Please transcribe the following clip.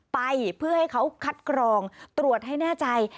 ไปเพื่อให้เขาคัดกรองตรวจให้แน่ใจ